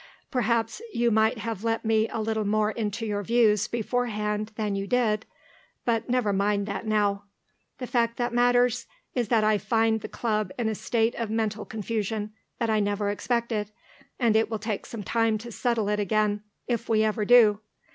Perhaps you might have let me a little more into your views beforehand than you did but never mind that now. The fact that matters is that I find the Club in a state of mental confusion that I never expected, and it will take some time to settle it again, if we ever do.